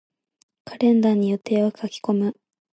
カレンダーに予定を書き込む。